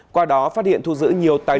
qua đó phát hiện thu giữ nhiều tiền đồng